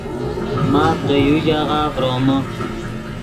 ماف دے یو ژاغہ ڤرومے